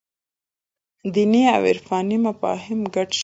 دیني او عرفاني مفاهیم ګډ شوي دي.